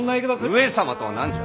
上様とは何じゃ？